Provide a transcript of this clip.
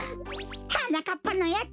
はなかっぱのやつ